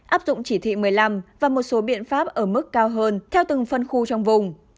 áp dụng chỉ thị một mươi năm và một số biện pháp ở mức cao hơn theo từng phân khu trong vùng